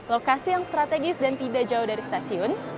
lokasi yang strategis dan tidak jauh dari stasiun